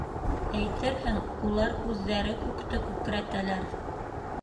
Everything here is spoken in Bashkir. Әйтерһең, улар үҙҙәре күкте күкрәтәләр.